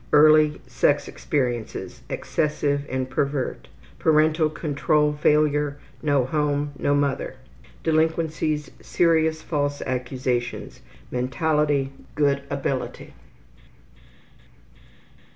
Early sex experiences: Excessive and pervert. Parental control failure: No home, no mother. Delinquencies: Mentality: Serious false accusations. Good ability.